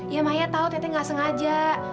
ya maya tahu tete gak sengaja